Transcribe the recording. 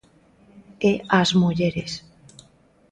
E ás mulleres.